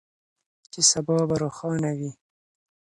چې سبا به روښانه وي.